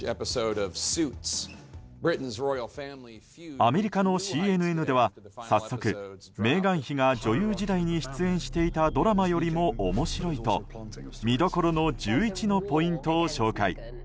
アメリカのＣＮＮでは早速、メーガン妃が女優時代に出演していたドラマよりも面白いと見どころの１１のポイントを紹介。